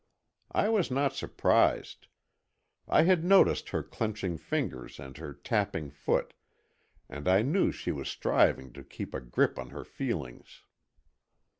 I was not surprised. I had noticed her clenching fingers and her tapping foot, and I knew she was striving to keep a grip on her feelings.